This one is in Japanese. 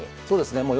そうですね。